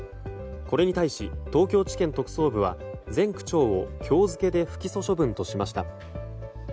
これに対し、東京地検特捜部は前区長を今日付で不起訴処分としました。